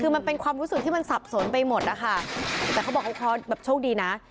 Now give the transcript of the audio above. คือมันเป็นความรู้สึกที่มันสับสนไปหมดนะคะแต่เขาบอกเขาเคราะห์แบบโชคดีนะ